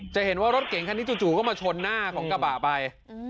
จะเห็นว่ารถเก่งคันนี้จู่ก็มาชนหน้าของกระบะไป